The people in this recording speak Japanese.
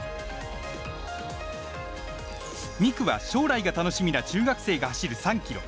２区は、将来が楽しみな中学生が走る３ｋｍ。